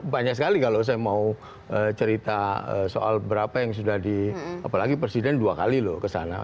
banyak sekali kalau saya mau cerita soal berapa yang sudah di apalagi presiden dua kali loh ke sana